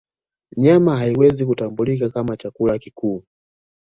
Nyama haiwezi kutambulika kama chakula kikuu